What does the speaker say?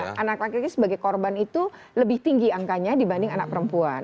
karena anak laki laki sebagai korban itu lebih tinggi angkanya dibanding anak perempuan